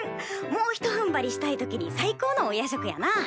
もうひとふんばりしたい時に最高のお夜食やな。